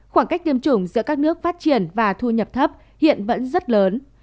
khoảng cách tiêm chủng giữa các nước phát triển và thu nhập thấp hiện vẫn rất lớn